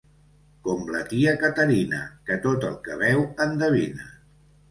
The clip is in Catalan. Com la tia Caterina, que tot el que veu endevina.